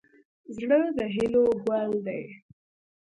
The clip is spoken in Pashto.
زړه د هیلو ګل دی.